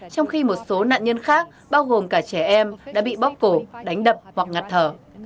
trong khi một số nạn nhân khác bao gồm cả trẻ em đã bị bóc cổ đánh đập hoặc ngặt thở